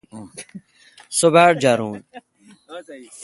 سو باڑجارون۔